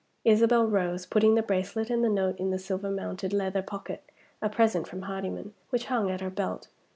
Isabel rose, putting the bracelet and the note in the silver mounted leather pocket (a present from Hardyman) which hung at her belt.